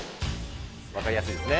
分かりやすいですね。